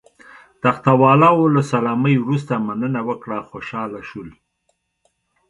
تخته والاو له سلامۍ وروسته مننه وکړه، خوشاله شول.